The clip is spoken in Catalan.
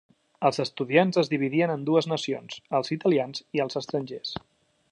Els estudiants es dividien en dues nacions: els italians i els estrangers.